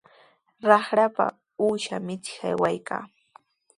Raqrapa uusha michiq aywaykaayan.